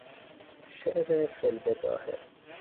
شعر فیالبداهه